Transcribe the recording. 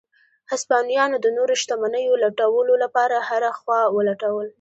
هسپانویانو د نورو شتمنیو لټولو لپاره هره خوا ولټل.